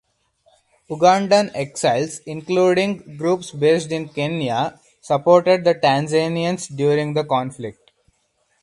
Ugandan exiles including groups based in Kenya supported the Tanzanians during the conflict.